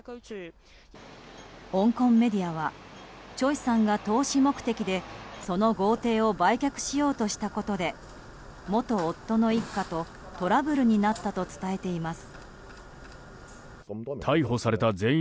香港メディアはチョイさんが投資目的でその豪邸を売却しようとしたことで元夫の一家とトラブルになったと伝えています。